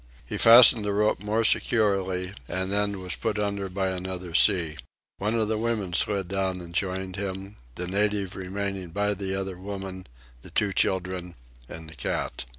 He fastened the rope more securely, and then was put under by another sea. One of the women slid down and joined him, the native remaining by the other woman, the two children, and the cat.